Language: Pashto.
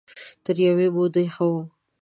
تر يوې مودې ښه وو.